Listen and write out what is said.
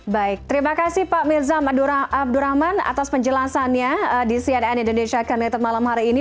baik terima kasih pak mirzam abdurrahman atas penjelasannya di cnn indonesia connected malam hari ini